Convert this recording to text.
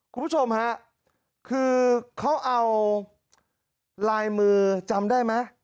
คุณผู้ชมฮะคือเขาเอาลายมือจำได้ไหม